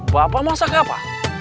bapak masak apa